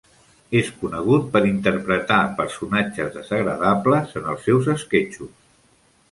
És conegut per interpretar personatges desagradables en els seus esquetxos.